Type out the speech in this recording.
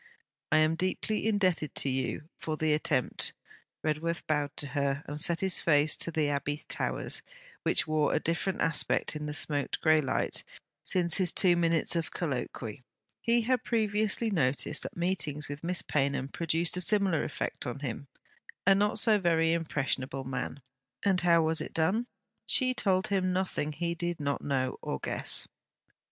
'I am deeply indebted to you for the attempt.' Redworth bowed to her and set his face to the Abbey towers, which wore a different aspect in the smoked grey light since his two minutes of colloquy. He had previously noticed that meetings with Miss Paynham produced a similar effect on him, a not so very impressionable man. And how was it done? She told him nothing he did not know or guess.